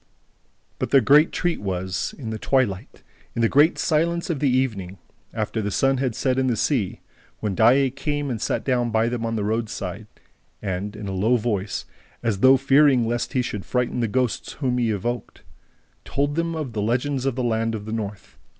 But their great treat was, in the twilight, in the great silence of the evening, after the sun had set in the sea, when Daae came and sat down by them on the roadside and, in a low voice, as though fearing lest he should frighten the ghosts whom he evoked, told them the legends of the land of the North.